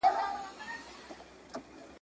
شاګرد د استاد مشورو ته غوږ نیسي.